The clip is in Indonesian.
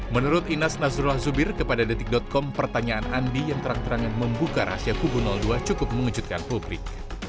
menurut inas nazrullah zubir kepada detik com pertanyaan andi yang terang terangan membuka rahasia kubu dua cukup mengejutkan publik